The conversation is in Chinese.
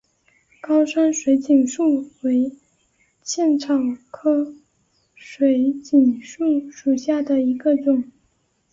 高山水锦树为茜草科水锦树属下的一个种。